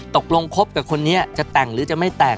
ตกลงคบกับคนนี้จะแต่งหรือจะไม่แต่ง